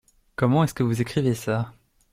Comment est-ce que vous écrivez ça ?